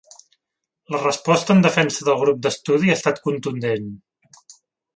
La resposta en defensa del grup d’estudi ha estat contundent.